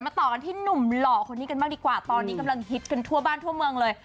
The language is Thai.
ต่อกันที่หนุ่มหล่อคนนี้กันบ้างดีกว่าตอนนี้กำลังฮิตกันทั่วบ้านทั่วเมืองเลย